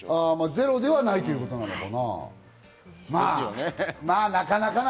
ゼロではないということなのかな？